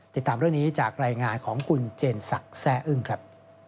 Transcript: ติดตามเรื่องนี้จากรายงานของคุณเจนศักดิ์แซ่อึ้งครับ